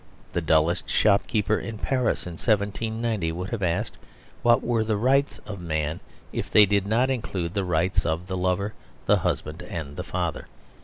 The dullest shopkeeper in Paris in 1790 would have asked what were the Rights of Man, if they did not include the rights of the lover, the husband, and the father.